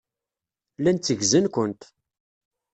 Llan tteggzen-kent.